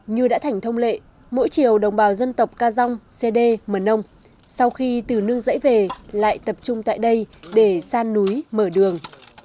như đã thành thông lệ mỗi chiều đồng bào dân tộc ca dông xê đê mờ nông sau khi từ nương dãy về lại tập trung tại đây để san núi mở đường